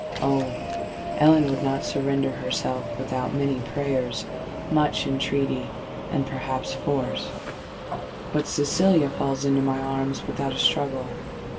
Oh! Ellen would not surrender herself without many prayers—much entreaty—and, perhaps, force;—but Cecilia falls into my arms without a struggle!